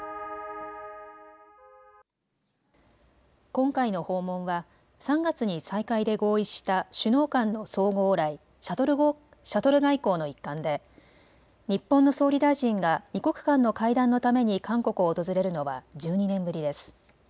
今回の訪問は３月に再開で合意した首脳間の相互往来、シャトル外交の一環で日本の総理大臣が２国間の会談のために韓国を訪れるのは１２年ぶりです。